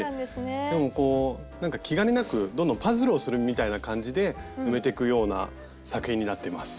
でもこうなんか気兼ねなくどんどんパズルをするみたいな感じで埋めてくような作品になってます。